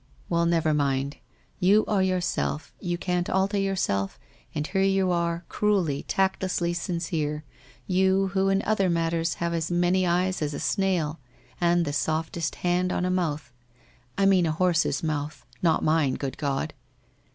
"Well, never mind, you are yourself, you can't alter yourself and here you are, cruelly, tactlessly sincere, you, who in other mat ters have as many eyes as a snail and the softest hand on WHITE ROSE OF WEARY LEAF 267 a mouth — I mean a horse's mouth — not mine, good God!